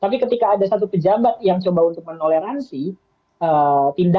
tapi ketika ada satu pejabat yang menolerasi tindak pidana korupsi artinya